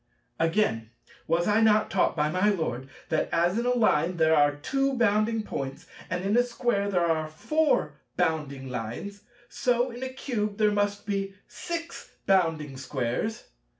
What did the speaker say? Again, was I not taught by my Lord that as in a Line there are two bounding Points, and in a Square there are four bounding Lines, so in a Cube there must be six bounding Squares?